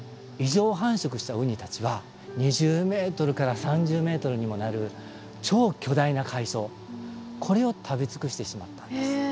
異常繁殖したウニたちは２０メートルから３０メートルにもなる超巨大な海藻これを食べ尽くしてしまったんです。